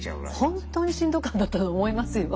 本当にしんどかったんだと思いますよ。